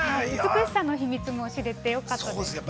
美しさの秘密も知れてよかったです。